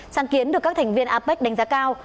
sáng kiến được các thành viên apec đánh giá cao